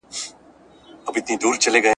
که ولي تر طلاق وروسته اجازه ورکړي، څه حکم لري؟